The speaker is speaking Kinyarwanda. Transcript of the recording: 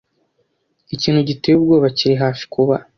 Ikintu giteye ubwoba kiri hafi kuba.